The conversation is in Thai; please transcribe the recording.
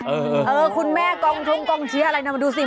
เออคุณแม่กองทุ่งกองเชียร์อะไรนะมาดูสิ